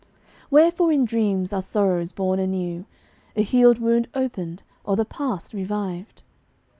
Wherefore in dreams are sorrows borne anew, A healed wound opened, or the past revived?